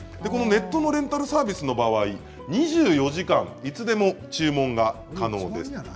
ネットのレンタルサービスの場合２４時間いつでも注文が可能です。